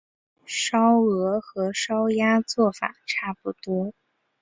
烧鹅和烧鸭做法差不多。